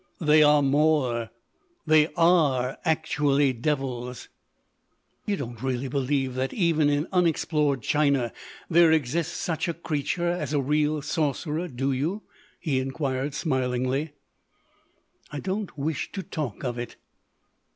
"They are more. They are actually devils." "You don't really believe that even in unexplored China there exists such a creature as a real sorcerer, do you?" he inquired, smilingly. "I don't wish to talk of it."